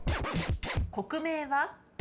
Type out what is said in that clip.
国名は？